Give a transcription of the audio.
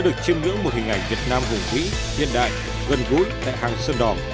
được chương ngưỡng một hình ảnh việt nam hùng quỹ hiện đại gần gũi đẹp hàng sơn đỏ